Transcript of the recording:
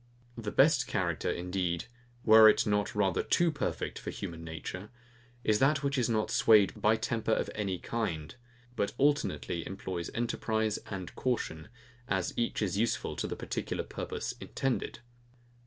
The best character, indeed, were it not rather too perfect for human nature, is that which is not swayed by temper of any kind; but alternately employs enterprise and caution, as each is useful to the particular purpose intended.